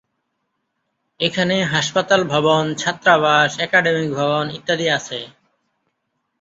এখানে হাসপাতাল ভবন, ছাত্রাবাস, একাডেমিক ভবন ইত্যাদি আছে।